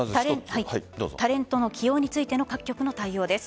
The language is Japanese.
タレントの起用についての各局の対応です。